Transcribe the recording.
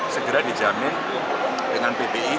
segera dijamin dengan ppi